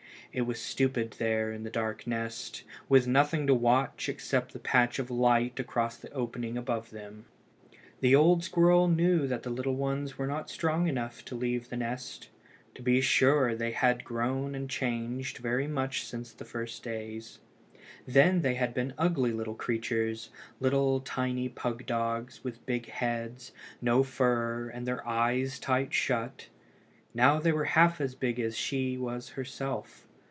It was stupid there in the dark nest, with nothing to watch except the patch of light across the opening above them. The old squirrel knew that the little ones were not strong enough yet to leave the nest. To be sure, they had grown and changed very much since the first days. Then they had been ugly little creatures, like tiny pug dogs, with big heads, no fur, and their eyes tight shut. Now they were half as big as she was herself.